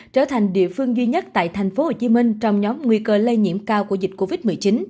trở thành địa phương duy nhất tại tp hcm trong nhóm nguy cơ lây nhiễm cao của dịch covid một mươi chín